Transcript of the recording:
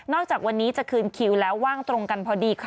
จากวันนี้จะคืนคิวแล้วว่างตรงกันพอดีค่ะ